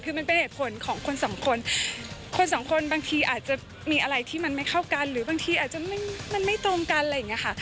คือมันเป็นเหตุผลของคนสองคนคนสองคนบางทีอาจจะมีอะไรที่มันไม่เข้ากันหรือบางทีอาจจะมันไม่ตรงกันอะไรอย่างนี้ค่ะ